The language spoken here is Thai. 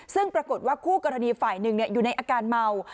ซึ่งปรากฏว่าคู่กรณีฝ่ายหนึ่งอยู่ในอาการเมา